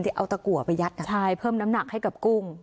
เอาตะกัวไปยัดเพิ่มน้ำหนักให้กับกุ้ง